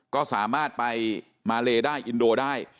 ก็สามารถไปมาเลได้อินโดได้